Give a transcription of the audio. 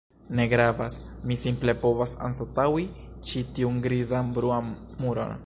Ne gravas. Mi simple povas anstataŭi ĉi tiun grizan bruan muron.